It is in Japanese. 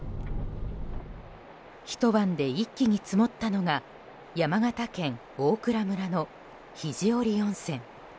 ひと晩で一気に積もったのが山形県大蔵村の肘折温泉。